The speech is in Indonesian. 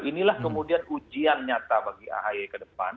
inilah kemudian ujian nyata bagi ahy ke depan